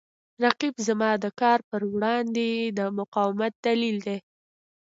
رقیب زما د کار په وړاندې د مقاومت دلیل دی